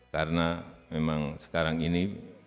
karena memang sekarang ini